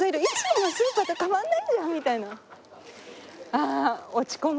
ああ落ち込む！